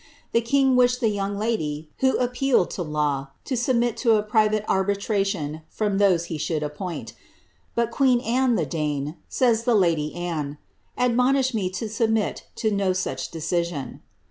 The king wished the young lady, who appealed to law, to submit to a private arbitration from those he should appoint, ^^ but qufeen Anne, the Dane," says the lady Anne, ^admonished me to submit to no such decision."